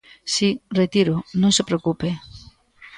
Si, retíroo, non se preocupe.